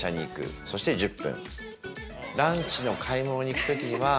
そして１０分。